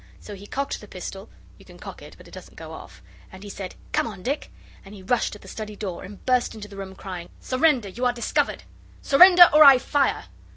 So he cocked the pistol you can cock it, but it doesn't go off and he said, 'Come on, Dick!' and he rushed at the study door and burst into the room, crying, 'Surrender! you are discovered! Surrender, or I fire!